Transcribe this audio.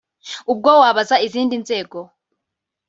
ubwo wabaza izindi nzego